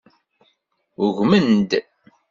Ugmen-d.